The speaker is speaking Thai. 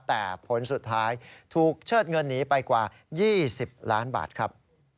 แต่ผลสุดท้ายถูกเชิดเงินหนีไปกว่า๒๐ล้านบาทครับ